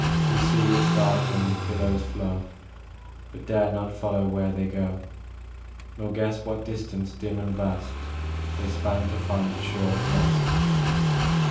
We see its darkling billows flow, But dare not follow where they go, Nor guess what distance dim and vast They span to find a shore at last.